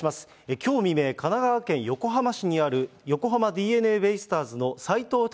きょう未明、神奈川県横浜市にある横浜ＤｅＮＡベイスターズの斎藤隆